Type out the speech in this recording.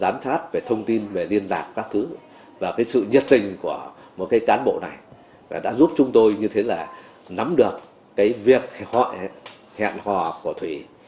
một cái cán bộ này đã giúp chúng tôi như thế là nắm được cái việc hẹn họ của thủy